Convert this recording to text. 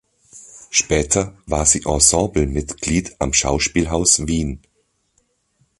Später war sie Ensemblemitglied am Schauspielhaus Wien.